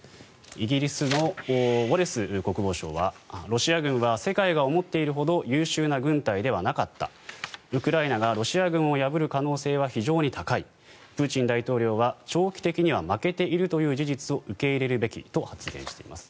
イギリスのウォレス国防相はロシア軍は世界が思っているほど優秀な軍隊ではなかったウクライナがロシア軍を破る可能性は非常に高いプーチン大統領は、長期的には負けているという事実を受け入れるべきと発言しています。